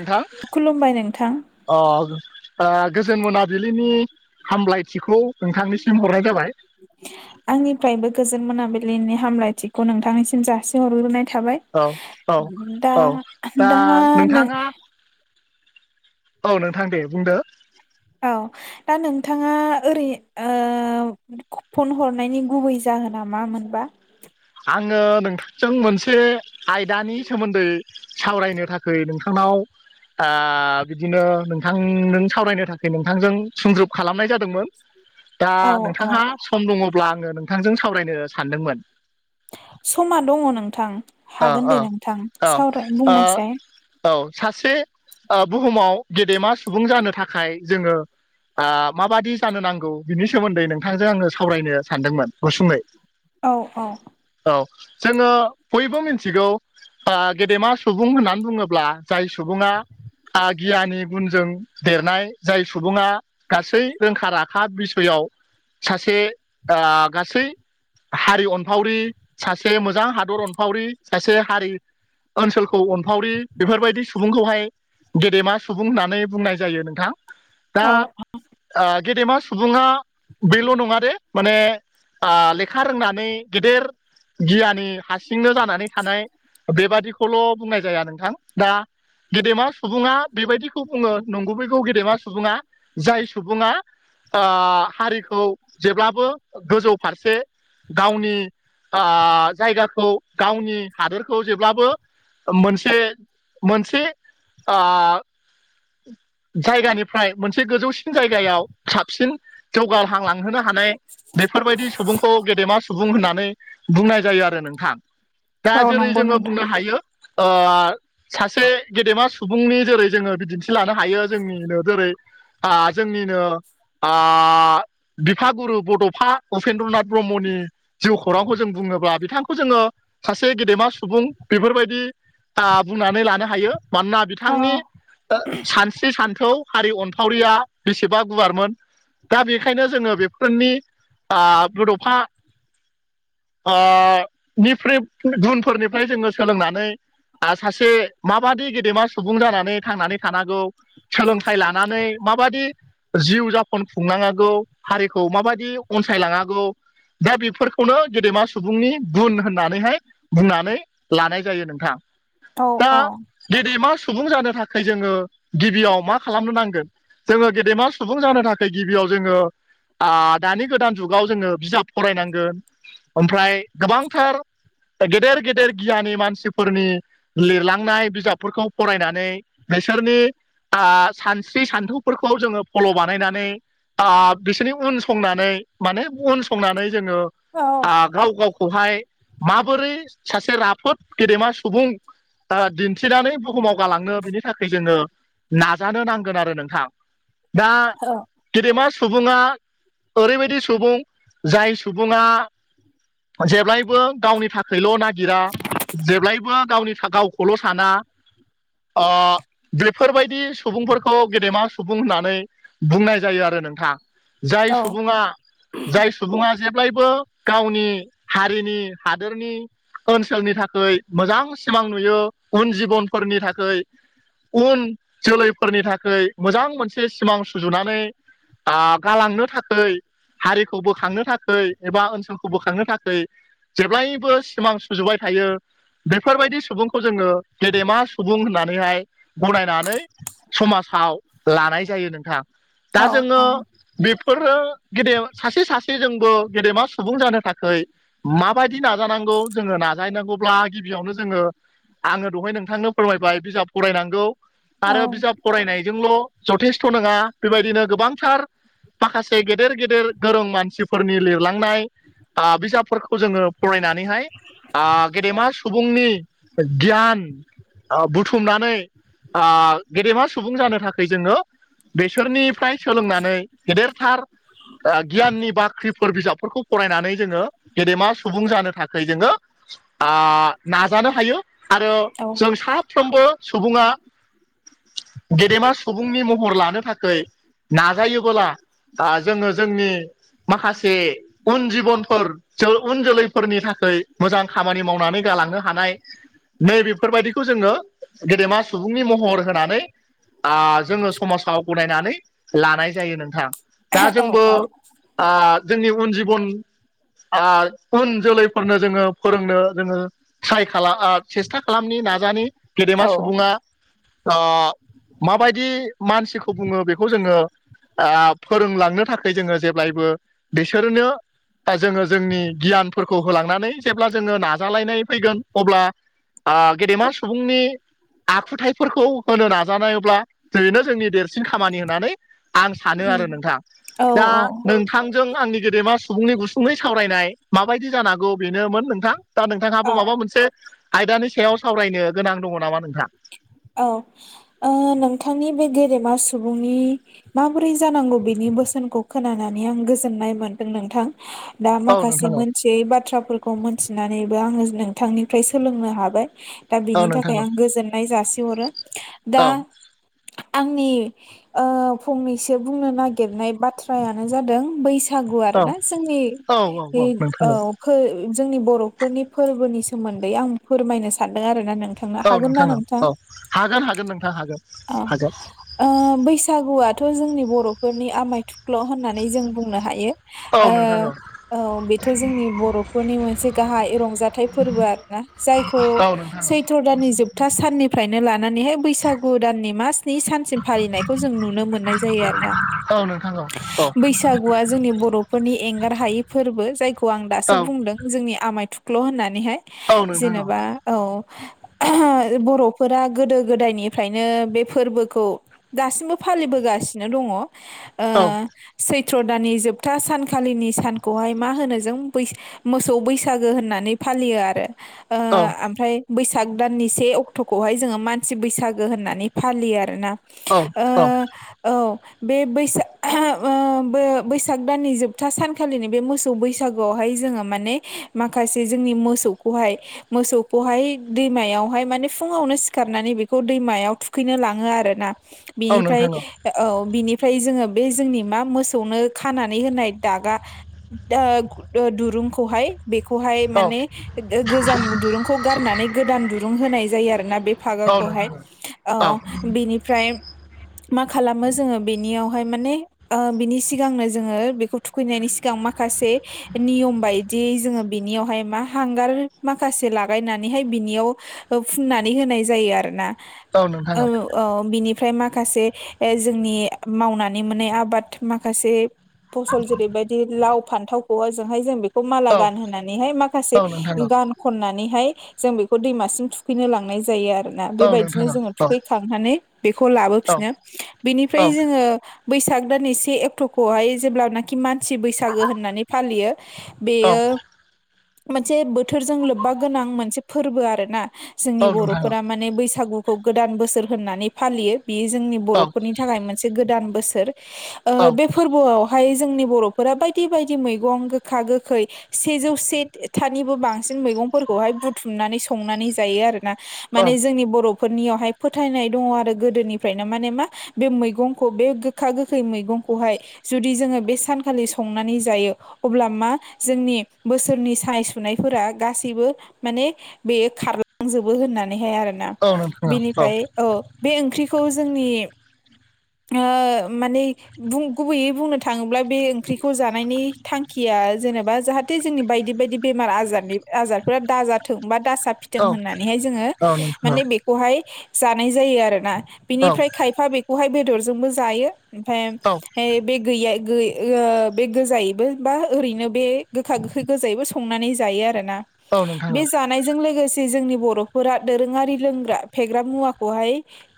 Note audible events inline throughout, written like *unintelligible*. नोंथां अ गोजोन मोनाबिलिनि हामलायथिखौ नोंथांनिसिम हरनाय जाबाय। आंनिफ्रायबो गोजोन मोनाबिलिनि हामलायथिखौ नोंथांनिसिम जासिहरग्रोनाय थाबाय। औ औ दा औ दा नो औ नोंथां दे बुंदो। औ दा नोंथाङा ओरै ओ फन हरनायनि गुबै जाहोन मा मोनबा? आङो नोंथां जों मोनसे आयदानि सोमोन्दै सावरायनो थाखै नोंथांनाव ओ बिदिनो नोंथां नों सावरायनो थाखाय नोंथांजों सुंद्रुब खालामनाय जादोंमोन। दा औ औ नोंथांहा सम दङब्ला आङो नोंथांजों सावरायनो सानदोंमोन। समा दङ नोंथां ओ हागोन ओ दे नोंथां औ सावराय ओ बुंनायसै। औ सासे ओ बुहुमाव गेदेमा सुबुं जानो थाखाय जोङो ओ माबादि जानो नांगौ बिनि सोमोन्दै नोंथांजों आङो सावरायनो सानदोंमोन गुसुङै। औ औ औ जोङो बयबो मिथिगौ ओ गेदेमा सुबुं होननानै बुङोब्ला जाय सुबुङा ओ गियानि गुनजों देरनाय जाय सुबुङा गासै रोंखा राखा बिसयआव सासे ओ गासै हारि अनफावरि सासे मोजां हादर अनफावरि सासे हारि ओनसोलखौ अनफावरि बेफोरबायदि सुबुंखौहाय गेदेमा सुबुं होननानै बुंनाय जायो नोंथां दा औ गेदेमा सुबुङा बेल' नङा दे माने लेखा रोंनानै गेदेर गियानि हारसिंनो जानानै थानाय बेबादि खौल' बुंनाय जाया नोंथां दा गेदेमा सुबुङा बेबायदिखौ बुङो नंगुबैगौ गेदेमा सुबुङा जाय सुबुङा ओ हारिखौ जेब्लाबो गोजौ फारसे गावनि ओ जायगाखौ गावनि हादोरखौ जेब्लाबो मोनसे मोनसे आ जायगानिफ्राय मोनसे गोजौसिन जायगायाव साबसिन जौगाहांलांहोनो हानाय बेफोरबायदि सुबुंखौ गेदेमा सुबुं होननानै बुंनाय जायो आरो नोंथां। दा औ जेरै नंगौ जोङो नोंथां बुंनो हायो ओ सासे गेदेमा सुबुंनि जेरै जोङो बिदिन्थि लानो हायो जोंनिनो जेरै ओ जोंनिनो आ बिफा गुरु बड'फा उपेन्द्रनाथ ब्रह्मनि जिउ खौरांखौ जों बुङोब्ला बिथांखौ जोङो सासे गेदेमा सुबुं बेफोरबायदि आ बुंनानै लानो हायो मानोना औ बिथांनि ओ सानस्रि सानथौ हारि अनफावरिया बेसेबा गुवारमोन। दा बेखायनो जोङो बेफोरनि आ बड'फा आ निफ्राय गुनफोरनिफ्राय जोङो सोलोंनानै आ सासे माबादि गेदेमा सुबुं जानानै थांनानै थानांगौ सोलोंथाइ लानानै माबायदि जिउ जाफन खुंनांगौ हारिखौ माबायदि अनसायलाङांगौ दा बेफोरखौनो गेदेमा सुबुंनि गुन होननानैहाय बुंनानै लानाय जायो नोंथां औ औ दिनै मा सुबुं जानो थाखाय जोङो गिबियाव मा खालामनो नांगोन जोङो गेदेमा सुबुं जानो थाखाय गिबियाव जोङो दानि गोदान जुगाव जोङो बिजाब फरायनांगोन ओमफ्राय गोबांथार गेदेर गेदेर गियानि मानसिफोरनि लिरलांनाय बिजाबफोरखौ फरायनानै बिसोरनि आ सानस्रि सान्थौफोरखौ जोङो फल' बानायनानै आ बिसोरनि उन संनानै माने उन संनानै जोङो औ आ गाव गावखौहाय माबोरै सासे राफोद गेदेमा सुबुं आ दिन्थिनानै बुहुमाव गालांनो बिनि थाखाय जोङो नाजानो नांगोन आरो नोंथां दा औ गेदेमा सुबुङा ओरैबायदि सुबुं जाय सुबुङा जेब्लायबो गावनि थाखायल' ना गिरा जेब्लायबो गावनि गावखौल' साना आ बेफोरबायदि सुबुंफोरखौ गेदेमा सुबुं होननानै बुंनाय जायो आरो नोंथां। जाय औ सुबुङा जाय सु बुङा जेब्लायबो गावनि हारिनि हादोरनि ओनसोलनि थाखाय मोजां सिमां नुयो उन जिबनफोरनि थाखोय उन जोलैफोरनि थाखाय मोजां मोनसे सिमां सुजुनानै आ गालांनो थाखोय हारिखौ बोखांनो थाखोय एबा ओनसोलखौ बोखांनो थाखोय जेब्लायबो सिमां सुजुबाय थायो। बेफोरबायदि सुबुंखौ जोङो गेदेमा सुबुं होननानैहाय गनायनानै समाजाव लानाय जायो नोंथां। दा औ जोङो बेफोरो गेदे सासे सासेजोंबो गेदेमा सुबुं जानो थाखोय माबायदि नाजानांगौ जोङो नाजाहैनांगौब्ला गिबियावनो जोङो आङो दहाय नोंथांनो फोरमायबाय बिजाब फरायनांगौ औ आरो बिजाब फरायनायजोंल' जथेस्थ' नङा बेबायदिनो गोबांथार माखासे गेदेर गेदेर गोरों मानसिफोरनि लिरलांनाय बिजाबफोरखौ जोङो फरायनानैहाय आ गेदेमा सुबुंनि गियान बुथु खुमनानै ओ गेदेमा सुबुं जानो थाखाय जोङो बेसोरनि फ्राय सोलोंनानै गेदेरथार गियाननि बाख्रिफोर बिजाब फोरफोरखौ फरायनानै जोङो गेदेमा सुबुं जानो थाखाय जोङो आ नाजानो हायो आरो जों साफ्रोमबो सुबुङा गेदेमा सुबुंनि महर लानो थाखाय नाजायोबोला ओ दा जोङो जोंनि माखासे उन जिबनफोर उन जोलैफोरनि थाखाय मोजां खामानि मावनानै गालांनो हानाय नै बेेफोरबायदिखौ जोङो गेदेमा सुबुंनि महर होनानै आ जोङो समाजाव गनायनानै लानाय जायो नोंथां। दा जोंबो आ जोंनि उन जिबन आ उन जोलैफोरनो जोङो फोरोंनो जोङो ट्राइ खालाम सेस्था खालामनि नाजानि गेदेमा सुबुङा आ माबायदि मानसिखौ बुङो बेखौ जोङो आ फोरोंलांनो थाखाय जोङो जेब्लायबो बिसोरनो आ जोङो जोंनि गियानफोरखौ होलांनानै जेब्ला जोङो नाजालायनाय फैगोन अब्ला आ गेदेमा सु बुंनि आखुथायफोरखौ होनो नाजानायब्ला जेनो जोंनि देरसिन खामानि होनानै आं सानो आरो नोंथां औ दा औ नों थांजों आंनि गेदेमा सुबुंनि गुसुङै सावरायनाय माबायदि जानांगौ बेनोमोन नोंथां। दा औ नोंथाङाबो माबा मोनसे आयदानि सायाव सावरायनो गोनां दङ नामा नोंथा? औ ओ नोंथांनि बे गेदेमा सुबुंनि माबोरै जानांगौ बेनि बोसोनखौ खोनानानै आं गोजोननाय मोनदों नोंथां। दा औ माखासे नोंथां औ मोनथियै बाथ्राफोर खौ मोनथिनानैबो आङो नोंथांनिफ्राय सोलोंनो हाबाय दा औ बिनि नोंथां थाखाय औ आं गोजोन जासि हरो औ दा आंनि ओ फंनैसो बुंनो नागिरनाय बाथ्रायानो जादों बै सागु आरो ना जोंनि औ नोंथां *unintelligible* औ फो जोंनि बर'फोरनि फोरबोनि सोमोन्दै आं फोरमायनो सानदों आरोना नों थांनो औ हागोन ना नोंथां औ नों औ हागोन हागोन नोंथां हागोन औ हागोन ओ बैसागुआथ' जोंनि बर'फोरनि आमाय थुख्ल' होननानै जों बुंनो हायो। औ नो ओ औ बेथ' जोंनि बर'फोरनि मोनसे गाहाय रंजाथाइ फोरबो आरो ना जायखौ औ नोंथां। सैथ्र दाननि जोबथा सान निफ्रायनो लानानैहाय बैसागु दाननि मा स्नि सानसिम फालिनायखौ जों नुनो मोननाय जायो आरोना। औ नोंथां औ नोंथां औ बैसागुआ जोंनि बर' फोरनि एंगार हायै फोर्बो जायखौ आं औ दासो बुंदों जोंनि आमाय थुख्ल' होननानैहाय। औ नोंथां जेनेबा औ बर'फोरा गोदो गोदायनिफ्रायनो बे फोर्बोखौ दासिमबो फालिबोगासिनो दङ। औ। सैथ्र' दानानि जोबथा सानखालिनि सानखौहाय मा होनो जों बै मोसौ बैसागो होननानै फालियो आरो। ओ औ। ओमफ्राय बैसाग दाननि से अक्ट'खौहाय जोङो मानसि बैसागो होननानै फालियो आरोना। ओ औ औ बे बैसाग ओ बो बैसाग दाननि जोबथा सानखालिनि बे मोसौ बैसाग बैसागोआवहाय जोङो माने माखासे जोंनि मोसौखौहाय मोसौखौहाय दैमायावहाय माने फुुंवावनो सिखारनानै बेखौ दैमायाव थुखैनो लाङो आरोना। औ बिनिफ्राय नोंथां औ औ बिनिफ्राय जोङो बे जोंनि मा मोसौनो खानानै होनाय दागा ओे दुरुंखौहाय बेखौहाय औ माने गोजाम दुरुंखौ गारनानै गोदान दुरुं होनाय जायो आरोना बे औ नोंथां औ फागाखौहाय नोंथां अ औ बिनिफ्राय मा खालामो जोङो बेनियावहाय माने ओ बिनि सिगांनो जोङो बेखौ खैनायनि सिगां माखासे नियम बाय दि जोङो बिनियावहाय मा हांगार माखासे लागायनानैहाय बिनियाव ओ फुननानै होनाय जायो आरोना। औ नोंथां औ। औ बिनिफ्राय माखासे ओ जोंनि मावनानै मोनै आबाद माखासे फसल जेरैबायदि लाव फान्थावखौहाय जोंहाय जों बे खौ माला गान होनानैहाय माखासे गान खननानैहाय जों बेखौ दैमासिम थु फैनो लांनाय जायो आरो ना बेबायदिनो जोङो थुखैखांनानै बेखौ लाबोफिनो। बेनिफ्राय जोङो बैसाग दाननै से अक्ट'खौहाय जेब्लाना खि मानसि बैसागो होननानै फालियो बेयो मोनसे बोथोरजों लोब्बा गोनां मोनसे फोर्बो आरोना। जोंनि बर'फोरा माने बैसागुखौ गोदान बोसोर होननानै फालियो। बेयो जोंनि बर'फोरनि थाखाय मोनसे गोदान बोसोर। ओ बे फोर्बोआव हाय जोंनि बर'फोरा बायदि बायदि मैगं गोखा गोखै सेजौ सेथानिबो बांसिन मैगंफोरखौहाय बुथुमनानै संनानै जायो आरोना। माने जोंनि बर'फोरनियावहाय फोथायनाय दङ आरो गोदोनिफ्रायनो माने मा बे मैगंखौ बे गोखा गोखै मैगंखौहाय जुदि जोङो बे सानखालि संनानै जायो अब्ला मा जोंनि बोसोरनि सानाय सुनायफोरा गासैबो माने बेयो खारलांजोबो होननानैहाय आरोना। बिनिफ्राय औ बे ओंख्रिखौ जोंनि ओ माने बुं गुबैयै बुंनो थाङोब्ला बे ओंख्रिखौ जानायनि थांखिया जेनेबा जाहा‌ थे जोंनि बायदि बायदि बेमार आजारनि आजारफोरा दाजाथों बा दा जा थों होननानैहाय जोङो माने बे खौहाय जानाय जायो आरोना। बिनिफ्राय खायफा बेखौहाय बेदरजोंबो जायो। ओमफ्राय ऐ बे गैया गै बे गोजायैबो बा ओरैनो बे गोखा गोखै गोजायैबो संनानै जायो आरोना बे जानायजों लोगोसे जे जोंनि बर'फोरा दोरोङारि लोंग्रा फेग्रा मुवाखौहाय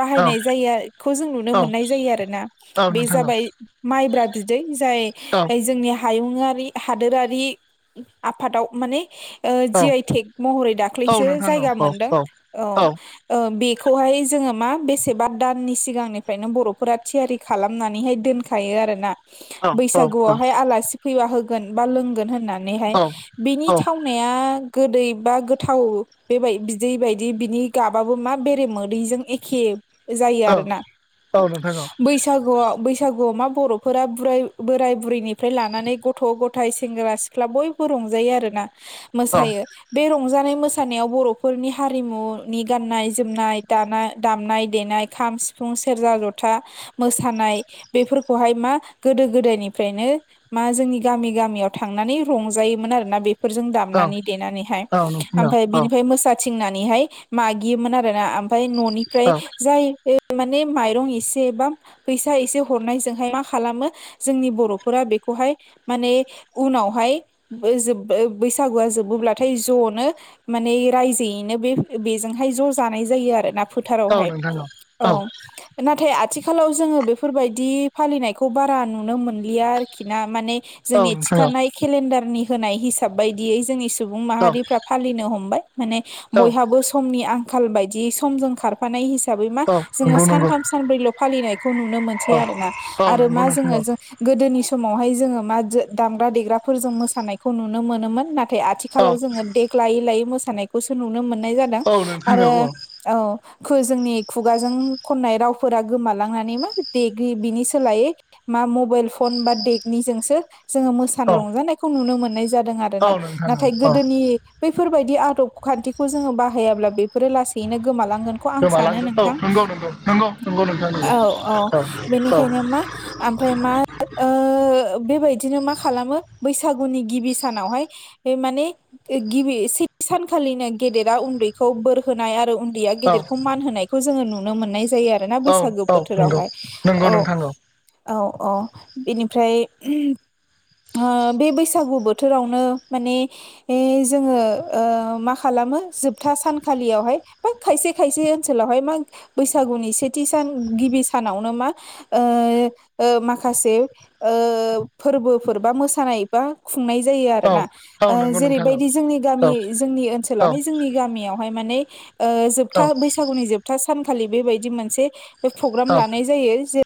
बाहायनाय जायोखौ जों नुनो मोननाय जायो आरो ना बे नोंथां जाबाय माइब्रा बिदै जाय औ जोंनि हायुंङारि हादोरारि आफादाव माने औ जि आइ थेग महरै दाख औ खख्लैसो नोंथां औ जायगा मोनदों औ औ बेखौहाय जोंङो मा बेसेबा दाननि सिगांनिफ्रायनो बर'फोरा थियारि खालामनानैहाय दोनखायो आरोना बैसागुआवहाय आलासि फैबा होगोन बा लोंगोन होननानैहाय बिनि औ थाव गोदै बा गो थाव बेबाय बिदै बायदि बिनि गाबाबो मा बेरे मोदैजों एखे जायो औ आरोना औ नोंथां औ बैस बैसागुआव बैसागुआव मा बर'फोरा ब बोराय बुरैनिफ्राय लानानै गथ' गथाय सेंग्रा सि सिख्ला बयबो रंजायो आरोना औ मोसायो बे रंजानाय मोसानायाव बर'फोरनि हारिमुनि गाननाय जोमनाय दामनाय देनाय खाम सिफुं सिफुं सेरजा जथा मोसानाय बेफोरखौहाय मा गोदो गोदायनिफ्रायनो मा जोंनि गामि गामियाव थांनानै रंजायोमोन आरोना बे जों दाम औ नानै देनानैहाय औ नोंथां ओमफाय औ औ नोंथां औ बिनि फाय मो थिंनानैहाय मागियोमोन आरोना ओमफ्राय न'निफ्राय औ जाय माने माइरं एसे बा फैसा एसे हरनायजोंहाय मा खालामो जोंनि बर'फोरा बेखौहाय माने उनावहाय बैजो बैसागुआ जोबोब्लाथाय ज'नो माने रायजोयैनो बे बेजोंहाय ज' जानाय जायो आरोना औ फोथारावहाय नोंथां औ नाथाय आथिखालाव जोंङो बेफोरबायदि फालिनायखौ बारा नुनो मोनलिया आरोखि ना माने जोंनि थिखानाय केलेन्डारनि होनाय हिसाब बायदियै जोंनि सुबुं माहारिफ्रा फालिनो हमबाय माने बयहाबो समनि आंखाल बायदि समजों खार फानाय हिसाबै मा जोंङो सानथाम सानब्रैल' फालिनायखौ नुनो औ मोनसै आरोना औ आरो नंगौ मा नोंथां जोङो औ जों गोदोनि समावहाय जोंङो मा दामग्रा देग्राफोरजों मोसानायखौ नुनो मोनोमोन ना थाय औ आथिखालाव जोंङो देग लायै लायै मोसानायखौसो नुनो मोननाय जादों औ नोंथां आरो औ औ खो जोंनि खुगाजों खननाय रावफोरा गोमालांनानै मा दे बिनि सोलायै मा मबाइल फन बा देकनिजोंसो जोंङो औ मोसानाय रंजानायखौ नुनो मोननाय जादों औ आरोना नोंथां नाथाय औ गोदोनि बैफोरबायदि आदब खान्थिखौ जोंङो बाहायाब्ला बेफोरो लासैनो गोमालांगोन। खौ आं सानो गोमालांगोन औ नोंथां नंगौ नंगौ नंगौ नंगौ नोंथां नंगौ औ औ बेनिखायनो मा ओमफ्राय मा ओ बेबायदिनो मा खालामो बैसागुनि गिबि सानावहाय बे माने गिबि सेथि सानखालिनो गेदेरा उन्दैखौ बोर होनाय आरो उन्दैया औ गेदेरखौ मान होनाय। खौ जोंङो नुनो मोननाय जायो आरोना औ बैसागो औ नंगौ बोथोरावहाय नंगौ औ नोंथां औ औ बेनिफ्राय ओ बे बैसागु बोथोरावनो माने ए जोंङो ओ मा खालामो जोबथा सानखालियावहाय बा खायसे खायसे ओनसोलावहाय मा बैसागुनि सेथि सान गिबि सानावनो मा ओ ओ माखासे ओ फोरबोफोर बा मोसानाय बा खुंनाय जायो औ आरोना औ ओ नंगौ नोंथां औ जेरैबाय बि जोंनि गामि औ जोंनि औ ओनसोलावहाय जोंनि गामियावहाय माने ओ औ जोबथा बैसागुनि जोबथा सानखालि बेबायदि मोनसे प्रग्राम औ लानाय जायो जे